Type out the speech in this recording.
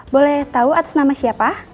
boleh tahu atas nama siapa